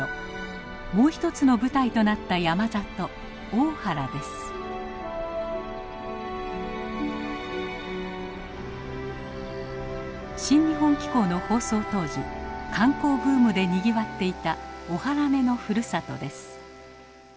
もう一つの舞台となった山里「新日本紀行」の放送当時観光ブームでにぎわっていた大原女のふるさとです。